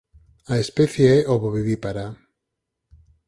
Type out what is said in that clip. A especie é ovovivípara.